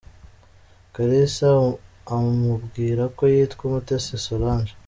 Kalisa amubwira ko yitwa Umutesi Solange.